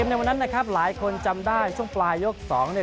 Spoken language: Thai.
ในวันนั้นนะครับหลายคนจำได้ช่วงปลายยกสองเนี่ย